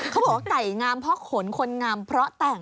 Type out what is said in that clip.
เขาบอกว่าไก่งามเพราะขนคนงามเพราะแต่ง